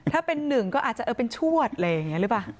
ถ้าเป็นหนึ่งก็อาจจะเออเป็นชวดอะไรอย่างนี้หรือเปล่า